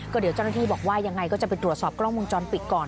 เดี๋ยวเจ้าหน้าที่บอกว่ายังไงก็จะไปตรวจสอบกล้องวงจรปิดก่อน